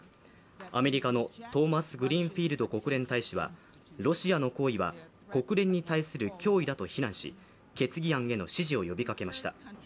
アメリカのトーマスグリーンフィールド国連大使はロシアの行為は国連に対する脅威だと非難し、決議案への支持を呼びかけました。